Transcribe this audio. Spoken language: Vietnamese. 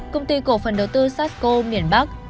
công ty cổ phần đầu tư sarsco miền bắc